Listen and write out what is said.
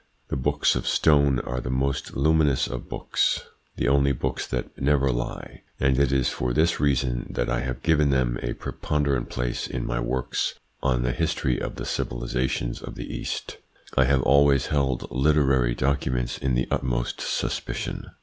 The books of stone are the most luminous of books, the only books that never lie, and it is for this reason that I have given them a preponderant place in my works on the history of the civilisations of the East. I have always held literary documents in the utmost suspicion.